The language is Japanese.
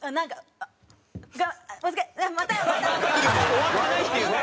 終わってないっていうね。